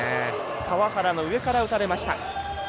川原の上から打たれました。